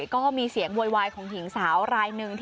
ก็มีเสียงโวยวายของหญิงสาวรายหนึ่ง